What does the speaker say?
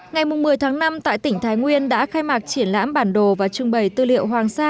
ngày một mươi tháng năm tại tỉnh thái nguyên đã khai mạc triển lãm bản đồ và trưng bày tư liệu hoàng sa